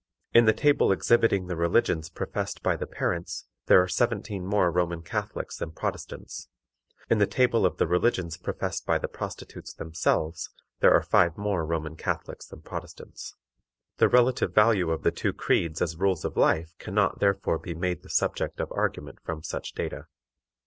In the table exhibiting the religions professed by the parents there are seventeen more Roman Catholics than Protestants; in the table of the religions professed by the prostitutes themselves there are five more Roman Catholics than Protestants. The relative value of the two creeds as rules of life can not therefore be made the subject of argument from such data.